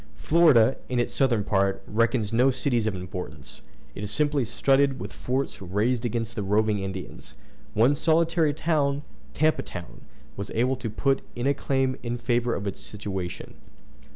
Florida, in its southern part, reckons no cities of importance; it is simply studded with forts raised against the roving Indians. One solitary town, Tampa Town, was able to put in a claim in favor of its situation.